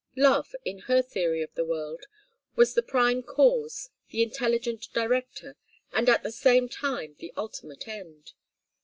Love, in her theory of the world, was the prime cause, the intelligent director, and at the same time the ultimate end.